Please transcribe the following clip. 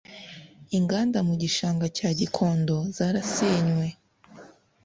inganda mu Gishanga cya Gikondo zarasenywe.